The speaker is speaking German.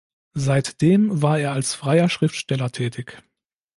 Seitdem war er als freier Schriftsteller tätig.